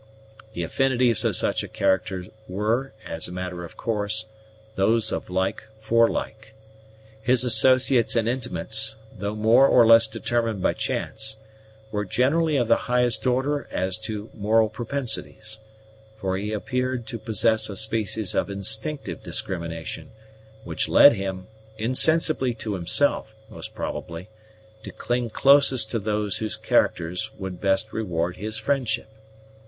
The affinities of such a character were, as a matter of course, those of like for like. His associates and intimates, though more or less determined by chance, were generally of the highest order as to moral propensities; for he appeared to possess a species of instinctive discrimination, which led him, insensibly to himself, most probably, to cling closest to those whose characters would best reward his friendship.